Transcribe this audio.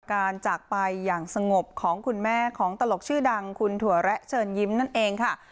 จากไปอย่างสงบของคุณแม่ของตลกชื่อดังคุณถั่วแระเชิญยิ้มนั่นเองค่ะ